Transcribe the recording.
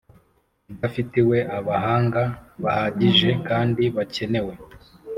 idafitiwe abahanga bahagije kandi bakenewe